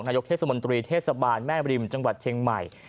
เทศมนตรีเทศบาลแม่บริมจังหวัดเชียงใหม่